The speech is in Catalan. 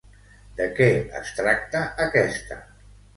De què es tracta aquesta?